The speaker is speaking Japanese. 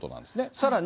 さらに。